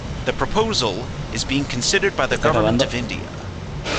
The proposal is being considered by the Government of India.